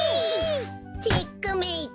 チェックメイト。